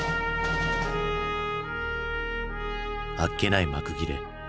あっけない幕切れ。